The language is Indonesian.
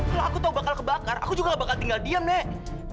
kalau aku tau bakal kebakar aku juga gak bakal tinggal diam nek